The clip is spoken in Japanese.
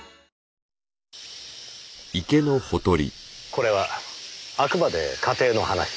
これはあくまで仮定の話です。